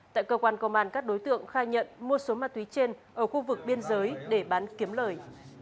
tại cơ quan công an các đối tượng khai nhận mua số ma túy trên ở khu vực biên giới để bán kiếm lời